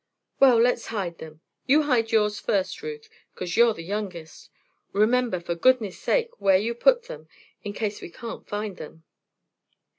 "Well, let's hide them; you hide yours first, Ruth, 'cause you're the youngest. Remember, for goodness sake, where you put them in case we can't find them."